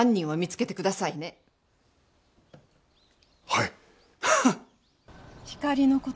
はい。